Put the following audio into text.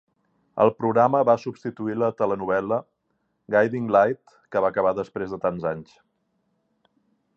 El programa va substituir la telenovel·la "Guiding Light", que va acabar després de tants anys.